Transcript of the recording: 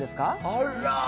あら！